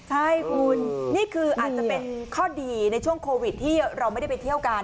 ใช่คุณนี่คืออาจจะเป็นข้อดีในช่วงโควิดที่เราไม่ได้ไปเที่ยวกัน